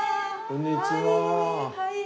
こんにちは。